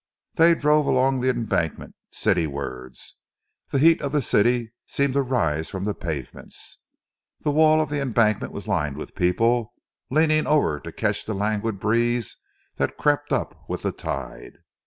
They drove along the Embankment, citywards. The heat of the city seemed to rise from the pavements. The wall of the Embankment was lined with people, leaning over to catch the languid breeze that crept up with the tide.